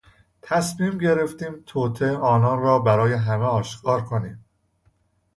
تصمیم گرفتیم توطئه آنان را برای همه آشکار کنیم.